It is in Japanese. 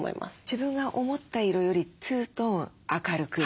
自分が思った色より２トーン明るく？